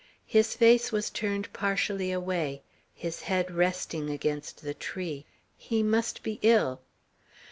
His face was turned partially away, his head resting against the tree; he must be ill.